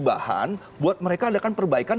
bahan buat mereka adakan perbaikan